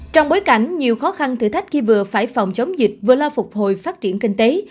trong bối cảnh nhiều khó khăn thử thách khi vừa phải phòng chống dịch vừa lo phục hồi phát triển kinh tế